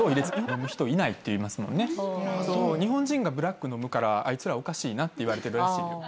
日本人がブラック飲むからあいつらおかしいなっていわれてるらしいよ。